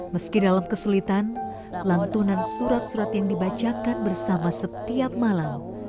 meski dalam kesulitan lantunan surat surat yang dibacakan bersama setiap malam